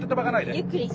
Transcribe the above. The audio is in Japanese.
ゆっくり。